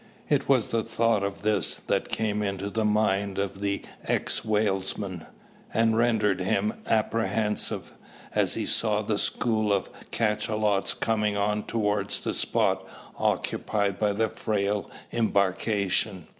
It was the thought of this that came into the mind of the ex whalesman; and rendered him apprehensive, as he saw the school of cachalots coming on towards the spot occupied by the frail embarkation.